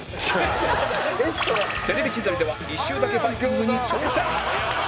『テレビ千鳥』では一周だけバイキング！！に挑戦